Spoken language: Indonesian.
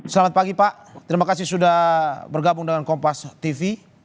selamat pagi pak terima kasih sudah bergabung dengan kompas tv